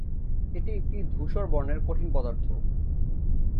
এটি একটি ধূসর বর্ণের কঠিন পদার্থ।